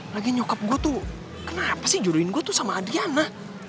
lagi nyokap gue tuh kenapa sih jodohin gue tuh sama adriana